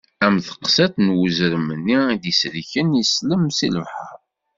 Am teqsiṭ n wezrem-nni i d-isellken islem seg lebḥer.